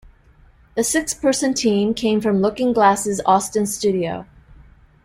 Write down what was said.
The six-person team came from Looking Glass's Austin studio.